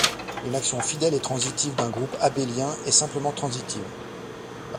Une action fidèle et transitive d'un groupe abélien est simplement transitive.